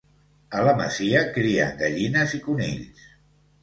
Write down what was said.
A la masia crien gallines i conills.